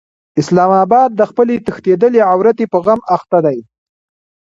اسلام اباد د خپلې تښتېدلې عورتې په غم اخته دی.